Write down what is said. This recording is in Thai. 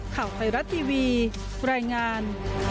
ข่าวไทยรัฐทีวีรายงาน